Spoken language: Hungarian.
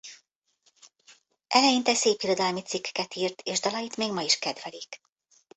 Eleinte szépirodalmi cikkeket írt és dalait még ma is kedvelik.